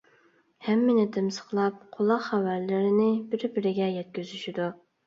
ھەممىنى تىمسىقلاپ قۇلاق خەۋەرلىرىنى بىر - بىرىگە يەتكۈزۈشىدۇ.